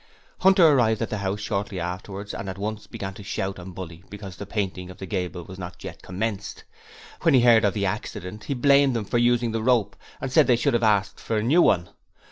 Hunter arrived at the house shortly afterwards and at once began to shout and bully because the painting of the gable was not yet commenced. When he heard of the accident he blamed them for using the rope, and said they should have asked for a new one.